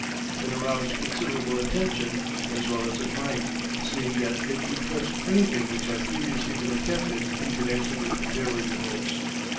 It aroused considerable attention, as well it might, seeing that it eclipsed anything which had previously been attempted in connection with dirigibles.